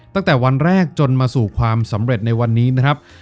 ตั้งแต่วันแรกจนมาสู่ความสำเร็จในวันนี้นะครับ